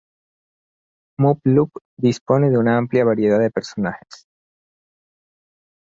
Muv-Luv dispone de una amplia variedad de personajes.